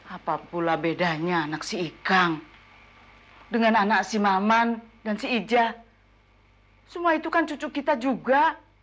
apa pula bedanya anak si ikang dengan anak si maman dan si ijah semua itu kan cucuk kita juga